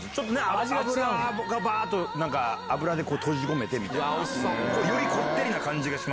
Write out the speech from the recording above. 脂がバっと脂で閉じ込めてみたいなよりこってりな感じ。